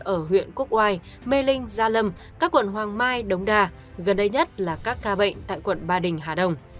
ở huyện quốc oai mê linh gia lâm các quận hoàng mai đống đa gần đây nhất là các ca bệnh tại quận ba đình hà đông